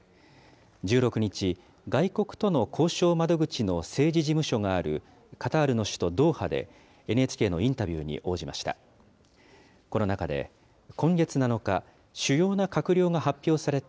１６日、外国との交渉窓口の政治事務所があるカタールの首都ドーハでＮＨＫのインタビューに応じました。